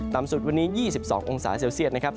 สุดวันนี้๒๒องศาเซลเซียตนะครับ